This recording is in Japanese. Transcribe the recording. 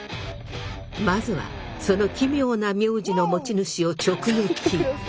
まずはその奇妙な名字の持ち主を直撃！